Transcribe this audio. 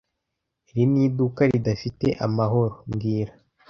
Iri ni iduka ridafite amahoro mbwira